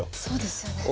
そうですよね。